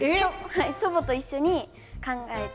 祖母と一緒に考えて。